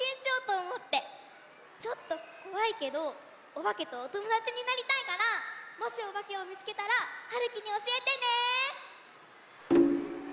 ちょっとこわいけどおばけとおともだちになりたいからもしおばけをみつけたらはるきにおしえてね。